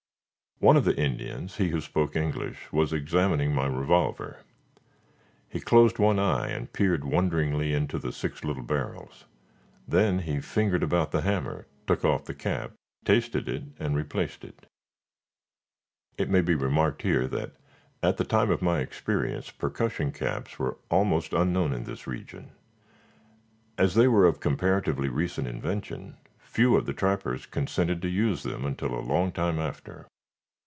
One of the Indians he who spoke English was examining my revolver. He closed one eye and peered wonderingly into the six little barrels; then he fingered about the hammer, took off the cap, tasted it, and replaced it. (It may be remarked here that at the time of my experience, percussion caps were almost unknown in this region. As they were of comparatively recent invention, few of the trappers consented to use them until a long time after.)